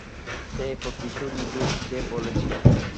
সে প্রতিশোধ নিতে এসেছে বলেছিল।